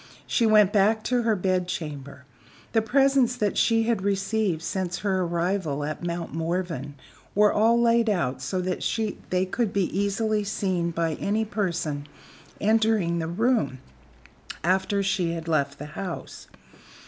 She went back to her bed chamber. The presents that she had received, since her arrival at Mount Morven, were all laid out so that they could be easily seen by any person entering the room, after she had left the house.